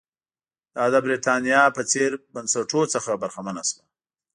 دا د برېټانیا په څېر بنسټونو څخه برخمنه شوه.